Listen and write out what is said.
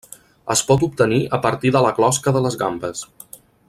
Es pot obtenir a partir de la closca de les gambes.